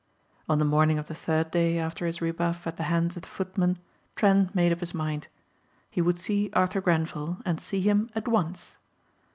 On the morning of the third day after his rebuff at the hands of the footmen Trent made up his mind. He would see Arthur Grenvil and see him at once.